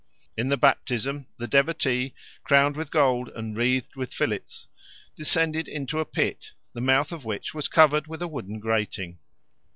In the baptism the devotee, crowned with gold and wreathed with fillets, descended into a pit, the mouth of which was covered with a wooden grating.